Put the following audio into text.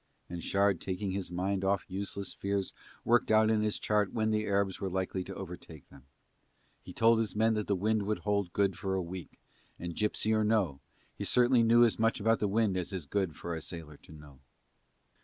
and Shard taking his mind off useless fears worked out on his chart when the Arabs were likely to overtake them. He told his men that the wind would hold good for a week, and, gipsy or no, he certainly knew as much about the wind as is good for a sailor to know.